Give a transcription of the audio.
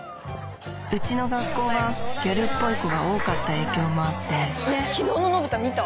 うちの学校はギャルっぽい子が多かった影響もあって昨日の『野ブタ。』見た？